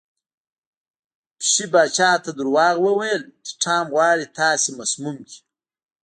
پیشو پاچا ته دروغ وویل چې ټام غواړي تاسې مسموم کړي.